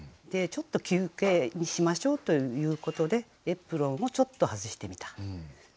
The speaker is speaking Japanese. ちょっと休憩にしましょうということでエプロンをちょっと外してみた。